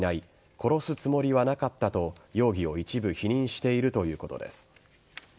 殺すつもりはなかったと容疑を一部否認しているということです。